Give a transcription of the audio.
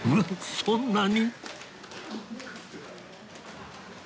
そんなに？